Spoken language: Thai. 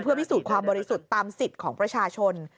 พิสูจน์ความบริสุทธิ์ตามสิทธิ์ของประชาชน